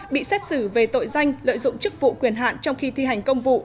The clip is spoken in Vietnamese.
bị xét xử về tội danh lợi dụng chức vụ quyền hạn trong khi thi hành công vụ